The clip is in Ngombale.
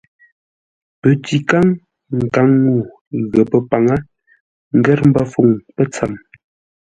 Pətíkáŋ, nkaŋ-ŋuu, ghəpə́ paŋə, ngər mbəfuŋ pətsəm.